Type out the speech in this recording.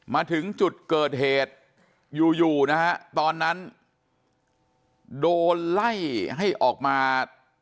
มาถึงจุดเกิดเหตุอยู่อยู่นะฮะตอนนั้นโดนไล่ให้ออกมา